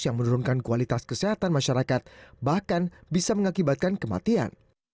yang menurunkan kualitas kesehatan masyarakat bahkan bisa mengakibatkan kematian